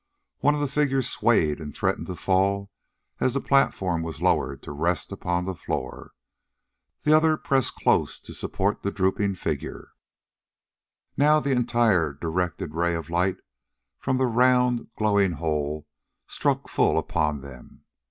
One of the figures swayed and threatened to fall as the platform was lowered to rest upon the floor. The other pressed close to support the drooping figure. Now the entire directed ray of light from the round, glowing hole struck full upon them.